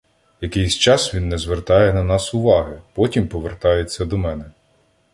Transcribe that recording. Якийсь час він не звертає на нас уваги, потім повертається до мене.